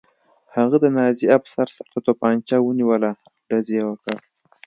هغه د نازي افسر سر ته توپانچه ونیوله او ډز یې وکړ